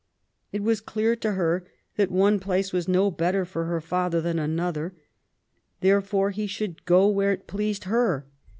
It was clear to her that one place was no better for her father than another; therefore he should go where it pleased her.